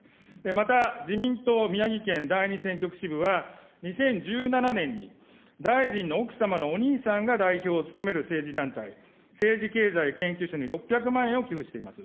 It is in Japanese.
また、自民党宮城県第２選挙区支部は、２０１７年に、大臣の奥様のお兄さんが代表を務める政治団体、政治経済研究所に６００万円を寄付しています。